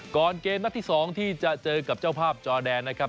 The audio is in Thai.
ก่อนเกมนัดที่๒ที่จะเจอกับเจ้าภาพจอแดนนะครับ